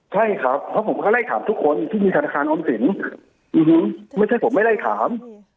ใช่ครับเพราะผมก็ไล่ถามทุกคนที่มีธนาคารออมสินไม่ใช่ผมไม่ไล่ถาม